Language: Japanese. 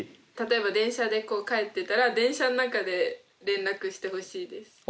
例えば電車で帰ってたら電車の中で連絡してほしいです。